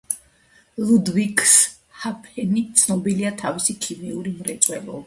ლუდვიგსჰაფენი ცნობილია თავის ქიმიური მრეწველობით.